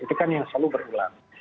itu kan yang selalu berulang